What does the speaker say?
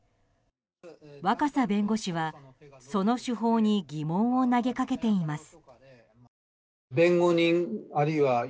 若狭弁護士は、その手法に疑問を投げかけています。